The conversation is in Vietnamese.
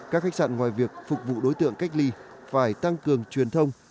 các khách sạn ngoài việc phục vụ đối tượng cách ly phải tăng cường truyền thông